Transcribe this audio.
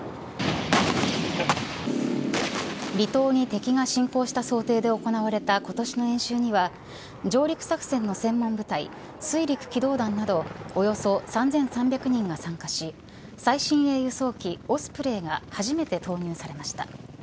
離島に敵が侵攻した想定で行われた今年の演習には上陸作戦の専門部隊水陸機動団などおよそ３３００人が参加し最新鋭輸送機オスプレイが初めて投入されました。